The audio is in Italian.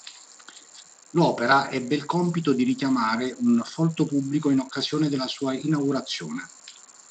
L’opera ebbe il compito di richiamare un folto pubblico in occasione della sua inaugurazione.